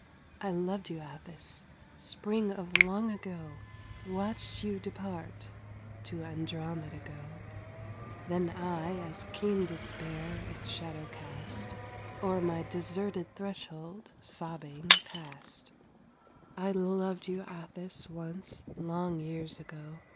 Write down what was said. I loved you, Atthis spring of long ago Watched you depart, to Andromeda go; Then I, as keen despair its shadow cast, O'er my deserted threshold, sobbing, passed. I loved you, Atthis, once, long years ago!